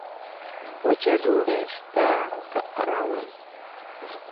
وچه ډوډۍ سته که راوړم